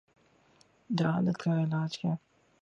جہالت کا علاج کیا؟